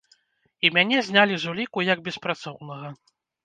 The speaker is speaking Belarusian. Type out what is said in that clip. І мяне знялі з уліку як беспрацоўнага.